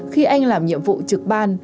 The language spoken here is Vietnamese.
khi anh làm nhiệm vụ trực ban